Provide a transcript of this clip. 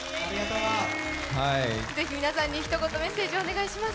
ぜひ皆さんに一言メッセージをお願いします。